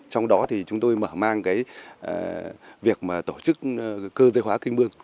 trong đó thì chúng tôi mở mang cái việc mà tổ chức cơ dây hóa kinh bương